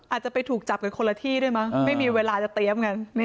อาจจะไปถูกจับกันคนละที่ด้วยมั้งไม่มีเวลาจะเตรียมกัน